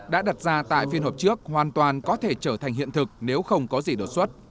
đã đặt ra tại phiên họp trước hoàn toàn có thể trở thành hiện thực nếu không có gì đột xuất